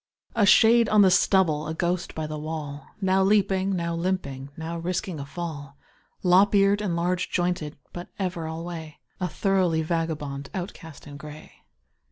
A shade on the stubble, a ghost by the wall, Now leaping, now limping, now risking a fall, Lop eared and large jointed, but ever alway A thoroughly vagabond outcast in gray.